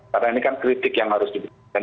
karena ini kan kritik yang harus dibutuhkan